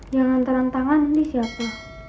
jangan terang tangan ini siapa